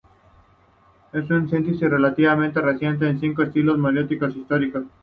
Es una síntesis relativamente reciente de cinco estilos melódicos históricos.